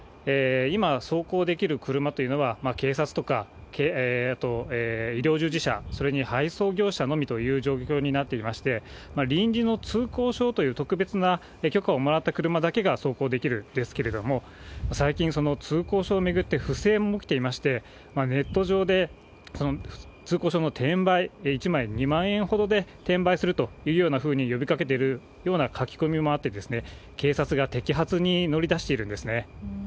今走行できる車というのは、警察とか医療従事者、それに配送業者のみという状況になっていまして、臨時の通行証という特別な許可をもらった車だけが走行できるんですけれども、最近、その通行証を巡って不正も起きていまして、ネット上でその通行証の転売、１枚２万円ほどで転売するというようなふうに呼びかけているような書き込みもあって、警察が摘発に乗り出しているんですね。